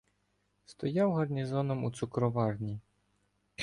Стояв гарнізоном у цукроварні.